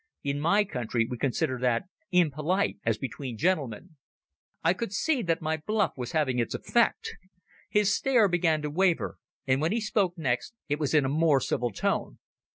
In my country we consider that impolite as between gentlemen." I could see that my bluff was having its effect. His stare began to waver, and when he next spoke it was in a more civil tone.